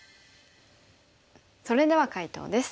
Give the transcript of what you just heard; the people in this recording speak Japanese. それでは解答です。